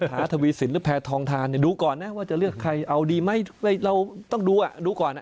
หาทวีสินหรือแพทองทานเนี่ยดูก่อนนะว่าจะเลือกใครเอาดีไหมเราต้องดูอ่ะดูก่อนนะ